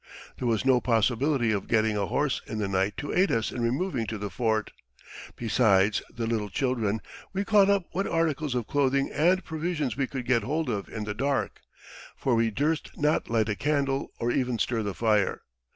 There was no possibility of getting a horse in the night to aid us in removing to the fort; besides the little children, we caught up what articles of clothing and provisions we could get hold of in the dark, for we durst not light a candle or even stir the fire.